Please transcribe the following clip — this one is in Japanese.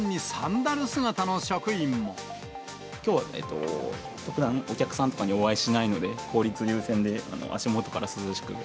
きょうは特段お客さんとかにお会いしないので、効率優先で足元から涼しく。